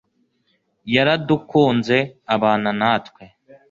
yaradukunze abana natwe